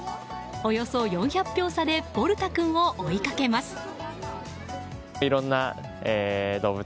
およそ４００票差でボルタ君を追いかけます。